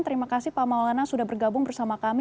terima kasih pak maulana sudah bergabung bersama kami